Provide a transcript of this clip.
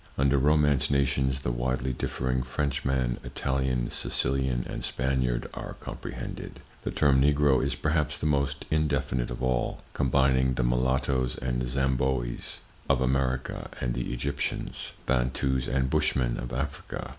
Under Romance nations the widely differing Frenchman, Italian, Sicilian and Spaniard are comprehended. The term Negro is, perhaps, the most indefinite of all, combining the Mulattoes and Zamboes of America and the Egyptians, Bantus and Bushmen of Africa.